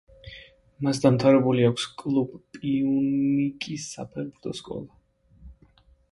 მას დამთავრებული აქვს კლუბ პიუნიკის საფეხბურთო სკოლა.